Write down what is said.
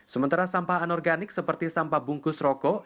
sementara sampah anorganik seperti sampah bungkus rokok